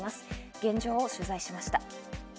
現状を取材しました。